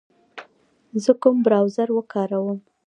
زه کوم براوزر و کاروم